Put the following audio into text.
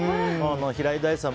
平井大さん